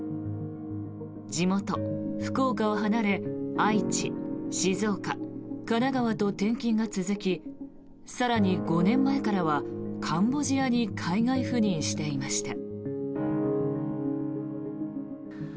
地元・福岡を離れ愛知、静岡、神奈川と転勤が続き更に、５年前からはカンボジアに海外赴任していました。